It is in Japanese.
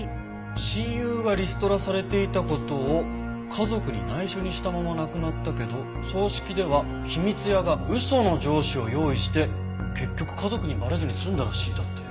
「親友がリストラされていたことを家族に内緒にしたまま亡くなったけど葬式では“秘密屋”が嘘の上司を用意して結局家族にバレずに済んだらしい」だって。